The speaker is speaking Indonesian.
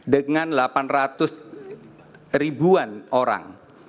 dengan delapan ratus ribuan orang